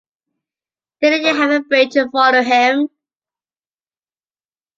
Didn't you have a brain to follow him?